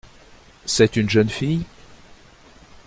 C’est une jeune fille ?